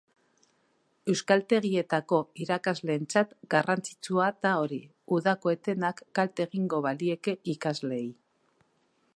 Euskaltegietako irakasleentzat garrantzitsua da hori, udako etenak kalte egingo bailieke ikasleei.